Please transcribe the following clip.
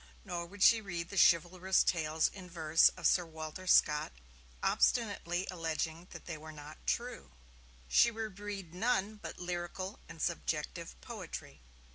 Nor would she read the chivalrous tales in verse of Sir Walter Scott, obstinately alleging that they were not 'true'. She would read none but lyrical and subjective poetry.